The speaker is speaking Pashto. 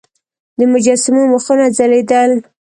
د مجسمو مخونه ځلیدل